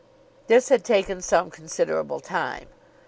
This had taken some considerable time.